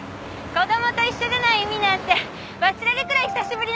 子供と一緒じゃない海なんて忘れるくらい久しぶりなの。